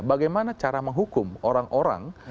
bagaimana cara menghukum orang orang